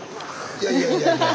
いやいやいやいや。